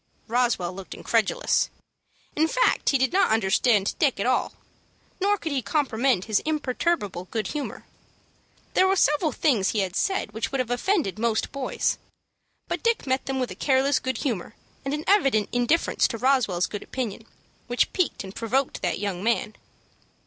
Roswell looked incredulous. In fact he did not understand Dick at all; nor could he comprehend his imperturbable good humor. There were several things that he had said which would have offended most boys; but Dick met them with a careless good humor, and an evident indifference to Roswell's good opinion, which piqued and provoked that young man.